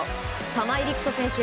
玉井陸斗選手